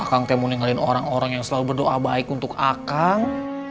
akang teh mau ninggalin orang orang yang selalu berdoa baik untuk akang